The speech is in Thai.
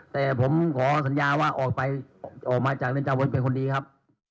แต่ผมขอสัญญาว่าออกมาจากเล่นจังหวัดเป็นคนดีครับ